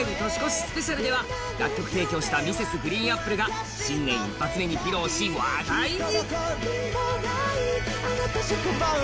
スペシャルでは楽曲提供したＭｒｓ．ＧＲＥＥＮＡＰＰＬＥが新年一発目に披露し話題に。